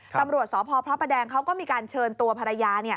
ตำรวจสพพระประแดงเขาก็มีการเชิญตัวภรรยา